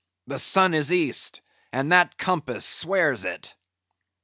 The sun is East, and that compass swears it!"